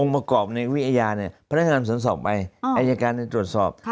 แบบในวิทยานะให้ประมาณสันสอบไปตอบ